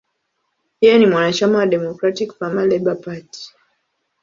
Yeye ni mwanachama wa Democratic–Farmer–Labor Party.